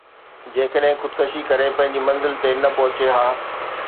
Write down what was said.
جيڪڏهن خودڪشي ڪري پنهنجي منزل تي نه پهچي ها